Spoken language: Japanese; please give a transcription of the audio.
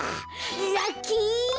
ラッキー！